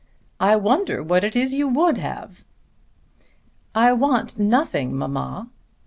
I wonder what it is you would have?" "I want nothing, mamma."